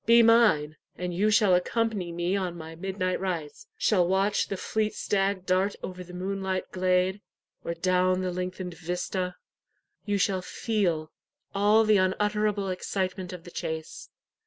Be mine, and you shall accompany me on my midnight rides; shall watch the fleet stag dart over the moonlight glade, or down the lengthened vista. You shall feel all the unutterable excitement of the chase.